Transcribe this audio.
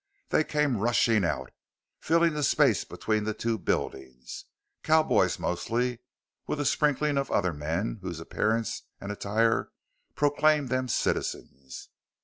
They came rushing out, filling the space between the two buildings cowboys mostly, with a sprinkling of other men whose appearance and attire proclaimed them citizens.